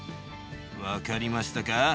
分かりましたか？